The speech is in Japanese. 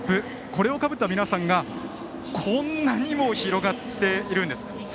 これをかぶった皆さんがこんなにも広がっているんです。